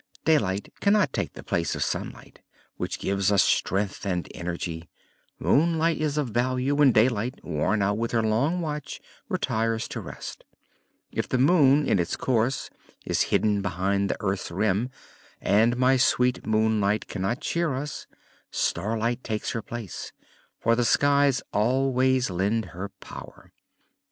Daylight cannot take the place of Sunlight, which gives us strength and energy. Moonlight is of value when Daylight, worn out with her long watch, retires to rest. If the moon in its course is hidden behind the earth's rim, and my sweet Moonlight cannot cheer us, Starlight takes her place, for the skies always lend her power.